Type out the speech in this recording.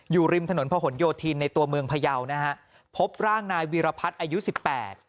อยู่ริมถนนพะหนโยธินในตัวเมืองพยาวนะฮะพบร่างนายวีรพัฒน์อายุสิบแปด